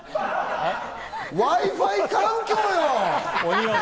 Ｗｉ−Ｆｉ環境よ！